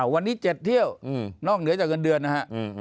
วันนี้๗เที่ยวนอกเหนือจากเงินเดือนนะฮะ